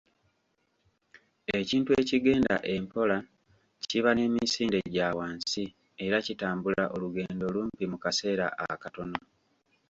Ekintu ekigenda empola kiba n'emisinde gya wansi era kitambula olugendo lumpi mu kaseera akatono